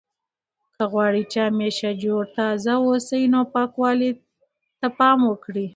که غواړئ چې همیشه جوړ تازه اوسئ نو پاکوالي ته پام کوئ.